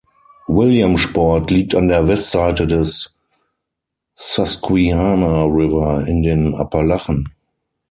Williamsport liegt an der Westseite des Susquehanna River in den Appalachen.